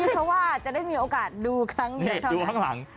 เพราะว่าจะได้มีโอกาสดูครั้งเดียวดูข้างหลัง